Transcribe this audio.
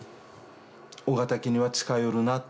「緒方家には近寄るな」